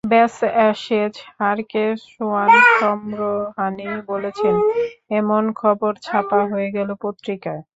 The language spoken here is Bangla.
ব্যস, অ্যাশেজ হারকে সোয়ান সম্ভ্রমহানি বলেছেন—এমন খবর ছাপা হয়ে গেল পত্রিকায়।